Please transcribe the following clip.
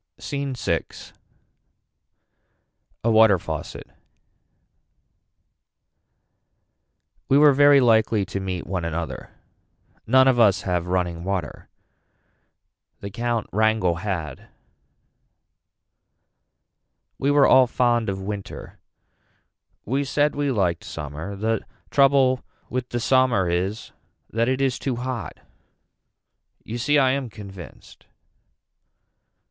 SCENE VI. A water faucet. We were very likely to meet one another. None of us have running water. The count Rangle had. We were all fond of winter. We said we liked summer. The trouble with the summer is that it is too hot. You see I am convinced.